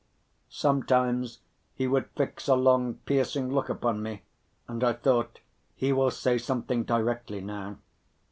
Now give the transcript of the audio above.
Sometimes he would fix a long piercing look upon me, and I thought, "He will say something directly now."